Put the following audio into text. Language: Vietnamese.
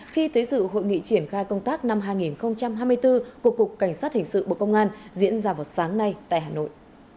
khi tới sự hội nghị triển khai công tác năm hai nghìn hai mươi bốn của cục cảnh sát hình sự bộ công an diễn ra vào sáng nay tại hà nội